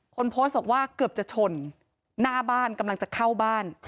คนโพสต์บอกว่าเกือบจะชนหน้าบ้านกำลังจะเข้าบ้าน